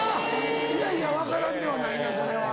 いやいや分からんではないなそれは。